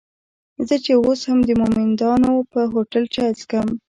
زه چې اوس هم د مومندانو پر هوټل چای څکم.